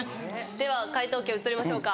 では解答権移りましょうか。